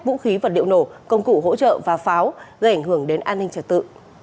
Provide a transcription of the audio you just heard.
vũ khí vật điệu nổ công cụ hỗ trợ và pháo gây ảnh hưởng đến an ninh trả tự